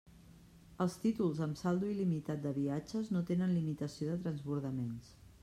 Els títols amb saldo il·limitat de viatges no tenen limitació de transbordaments.